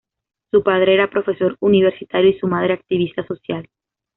Su padre era profesor universitario, y su madre, activista social.